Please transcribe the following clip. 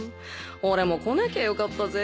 俺も来なきゃ良かったぜ。